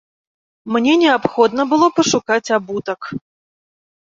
Мне неабходна было пашукаць абутак.